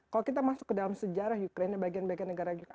kalau kita masuk ke dalam sejarah ukraina bagian bagian negara kita